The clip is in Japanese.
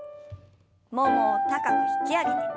ももを高く引き上げて。